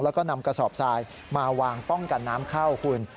แล้วก็นำกระสอบทรายมาวางป้องกันน้ำเข้าคุณ